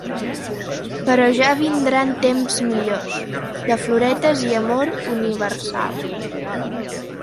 Però ja vindran temps millors, de floretes i amor universal.